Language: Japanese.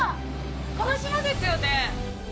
この島ですよね。